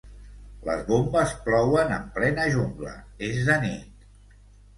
Les bombes plouen en plena jungla, és de nit.